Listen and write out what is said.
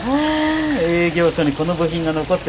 営業所にこの部品が残っててよかった。